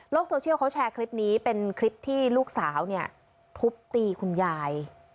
โซเชียลเขาแชร์คลิปนี้เป็นคลิปที่ลูกสาวเนี่ยทุบตีคุณยาย